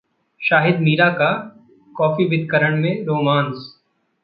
शाहिद-मीरा का 'coffee with करण' में romance